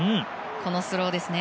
このスローですね。